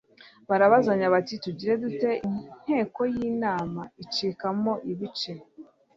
barabazanya bati: «Tugire dute?» Inteko y'inama icikamo ibice.